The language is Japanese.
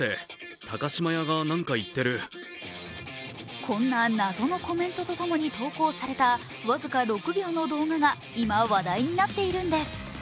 こんな謎のコメントと共に投稿された僅か６秒の動画が今、話題になっているんです。